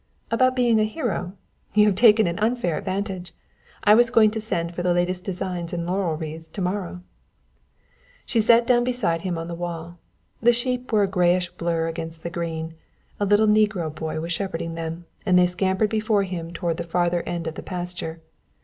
"About being a hero? You have taken an unfair advantage. I was going to send for the latest designs in laurel wreaths to morrow." She sat down beside him on the wall. The sheep were a grayish blur against the green. A little negro boy was shepherding them, and they scampered before him toward the farther end of the pasture.